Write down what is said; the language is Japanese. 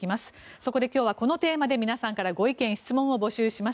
そこで今日はこのテーマで皆さんからご意見・質問を募集します。